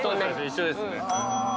一緒ですね。